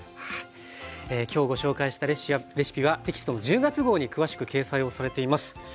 今日ご紹介したレシピはテキストの１０月号に詳しく掲載をされています。